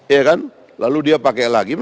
ya kan lalu dia pakai lagi